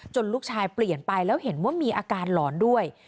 ลูกชายเปลี่ยนไปแล้วเห็นว่ามีอาการหลอนด้วย